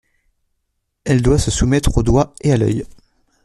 Elle doit se soumettre au doigt et à l'oeil.